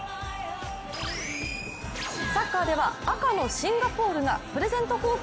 サッカーでは「赤」のシンガポールがプレゼント交換。